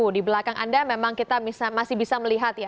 di belakang anda memang kita masih bisa melihat ya